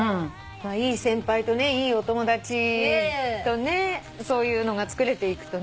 いい先輩とねいいお友達とねそういうのがつくれていくとね。